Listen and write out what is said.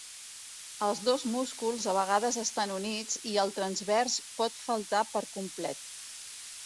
Els dos músculs, a vegades estan units, i el transvers pot faltar per complet.